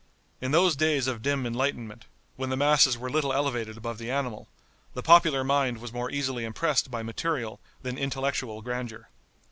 In those days of dim enlightenment, when the masses were little elevated above the animal, the popular mind was more easily impressed by material than intellectual grandeur.